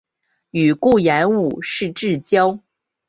与顾炎武是至交。